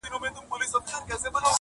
یو گوزار يې ورته ورکړ ناگهانه!!